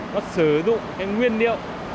nó sử dụng cái nguyên liệu